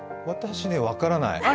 私ね、分からない。